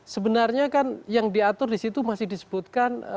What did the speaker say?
sebenarnya kan yang diatur disitu masih disebutkan